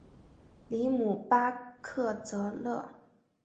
里姆巴克泽勒。